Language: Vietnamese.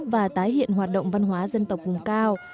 và tái hiện hoạt động văn hóa dân tộc vùng cao